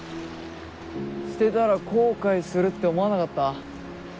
捨てたら後悔するって思わなかった？